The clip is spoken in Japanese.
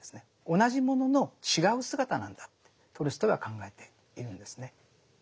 同じものの違う姿なんだとトルストイは考えているんですね。